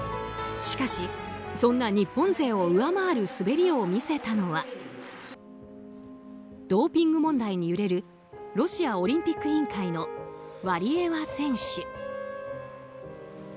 しかし、そんな日本勢を上回る滑りを見せたのはドーピング問題に揺れるロシアオリンピック委員会のワリエワ選手。